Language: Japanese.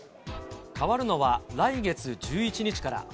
変わるのは来月１１日から。